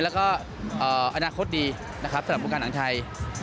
แล้วก็อนาคตดีนะครับสำหรับผู้การอัญชัย